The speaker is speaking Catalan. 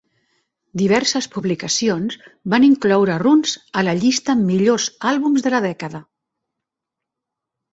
Diverses publicacions van incloure "Rounds" a la llista "millors àlbums de la dècada".